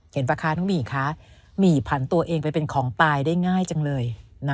ป่ะคะน้องหมี่คะหมี่ผันตัวเองไปเป็นของตายได้ง่ายจังเลย